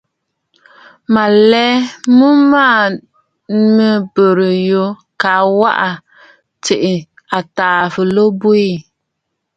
Mə̀ lɛ miʼì ma mɨ burə̀ yoo kaa mə waʼà tsiʼì àtàà fɨlo bwiî.